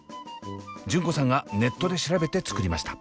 純子さんがネットで調べて作りました。